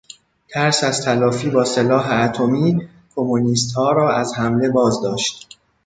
ترس از تلافی با سلاح اتمی کمونیستها را از حمله بازداشت.